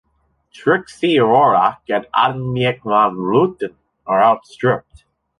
Trixi Worrack and Annemiek van Vleuten are outstripped.